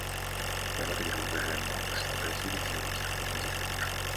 Я благодарю уважаемого посла Бразилии за его выступление и за поддержку.